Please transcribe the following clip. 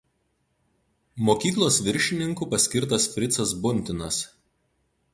Mokyklos viršininku paskirtas Fricas Buntinas.